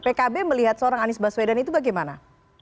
pkb melihat seorang anies baswedan itu bagaimana